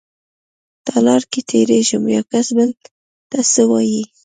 تالار کې تېرېږم يوکس بل ته څه وايي.